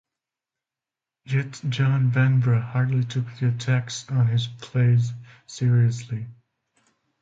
Yet, John Vanbrugh hardly took the attacks on his plays seriously.